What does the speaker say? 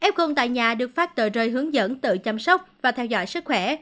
f gương tại nhà được phát tờ rơi hướng dẫn tự chăm sóc và theo dõi sức khỏe